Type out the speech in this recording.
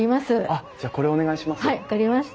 あっじゃこれお願いします。